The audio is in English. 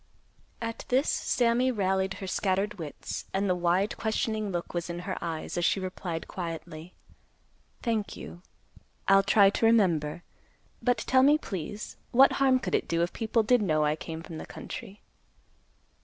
At this, Sammy rallied her scattered wits, and the wide, questioning look was in her eyes, as she replied quietly, "Thank you. I'll try to remember. But tell me, please, what harm could it do, if people did know I came from the country?"